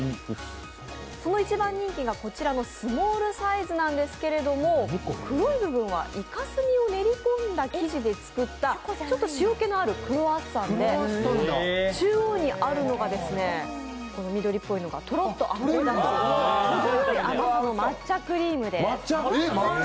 その一番人気がこちらのスモールサイズなんですけど、黒い部分はいか墨を練り込んだ生地で作ったちょっと塩気のあるクロワッサンで、中央にあるのが、この緑っぽいのが、とろっとあふれ出すほどよい甘さの抹茶クリームです。